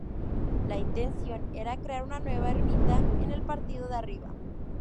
La intención era crear una nueva ermita en el partido de Arriba.